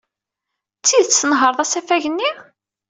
D tidet tnehṛed asafag-nni?